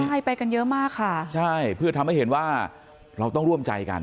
ใช่ไปกันเยอะมากค่ะใช่เพื่อทำให้เห็นว่าเราต้องร่วมใจกัน